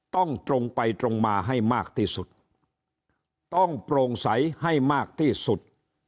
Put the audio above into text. ตรงไปตรงมาให้มากที่สุดต้องโปร่งใสให้มากที่สุด